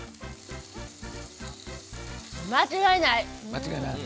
間違いない！